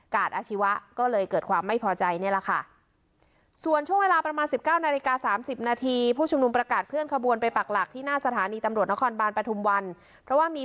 กาดอาชีวะก็เลยเกิดความไม่พอใจนี่แหละค่ะส่วนช่วงเวลาประมาณสิบเก้านาฬิกาสามสิบนาที